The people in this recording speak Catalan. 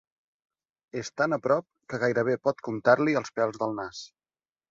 És tan a prop que gairebé pot comptar-li els pèls del nas.